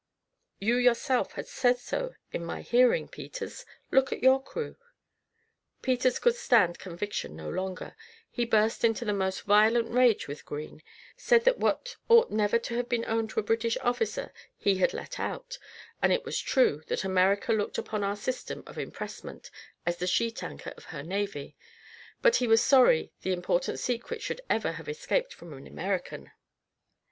You yourself have said so in my hearing, Peters look at your crew." Peters could stand conviction no longer; he burst into the most violent rage with Green; said that what ought never to have been owned to a British officer, he had let out; that it was true that America looked upon our system of impressment as the sheet anchor of her navy; but he was sorry the important secret should ever have escaped from an American.